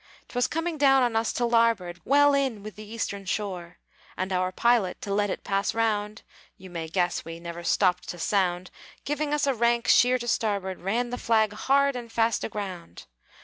'T was coming down on us to larboard, Well in with the eastern shore; And our pilot, to let it pass round (You may guess we never stopped to sound), Giving us a rank sheer to starboard, Ran the Flag hard and fast aground!